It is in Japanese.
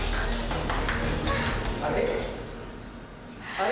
あれ？